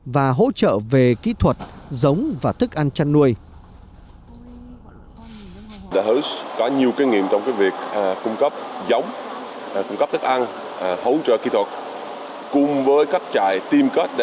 và hỗ trợ về kỹ thuật giống và thức ăn chăn nuôi